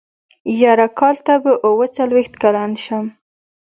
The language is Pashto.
يره کال ته به اوه څلوېښت کلن شم.